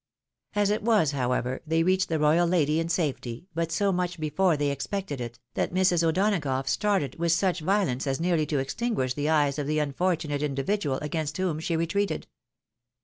As it was, however, they reached the royal lady in safety, but so much before they expected it, that Mrs. O'Donagough started with such violence as nearly to extinguish the eyes of the unfortunate individual against whom she retreated.